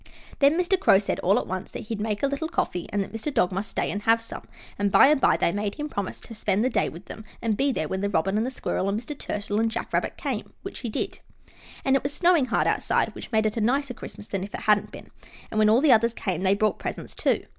Then Mr. Crow said, all at once, that he'd make a little coffee, and that Mr. Dog must stay and have some, and by and by they made him promise to spend the day with them and be there when the Robin and the Squirrel and Mr. Turtle and Jack Rabbit came, which he did. And it was snowing hard outside, which made it a nicer Christmas than if it hadn't been, and when all the others came they brought presents, too.